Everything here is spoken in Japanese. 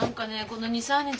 この２３日